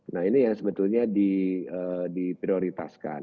nah ini yang sebetulnya diprioritaskan